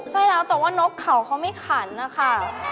ใช่แล้วแต่ว่านกเขาเขาไม่ขันนะคะ